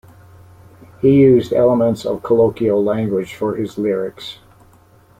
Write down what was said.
He used elements of colloquial language for his lyrics.